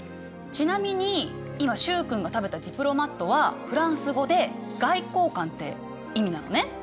ちなみに今習君が食べたディプロマットはフランス語で外交官って意味なのね。